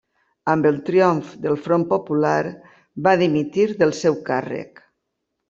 Amb el triomf del Front Popular va dimitir del seu càrrec.